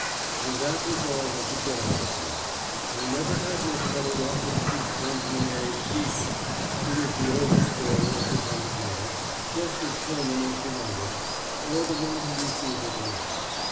And that was all I could get out of him. I never had much better luck with Chief Benjamin A. Gicquel, who is the oldest wearer of the Bennett medal, just as Coleman is the youngest, or the one who received it last.